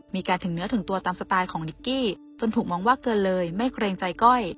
ถึงเนื้อถึงตัวตามสไตล์ของนิกกี้จนถูกมองว่าเกินเลยไม่เกรงใจก้อย